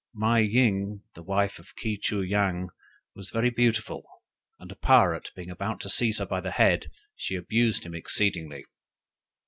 "Mei ying, the wife of Ke choo yang, was very beautiful, and a pirate being about to seize her by the head, she abused him exceedingly.